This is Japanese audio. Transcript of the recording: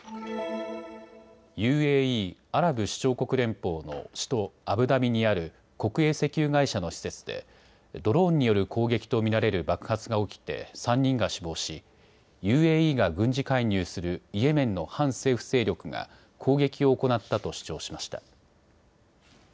ＵＡＥ・アラブ首長国連邦の首都、アブダビにある国営石油会社の施設でドローンによる攻撃と見られる爆発が起きて３人が死亡し、ＵＡＥが軍事介入するイエメンの反政府勢力が攻撃を行ったと主張しました。